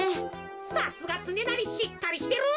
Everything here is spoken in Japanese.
さすがつねなりしっかりしてる！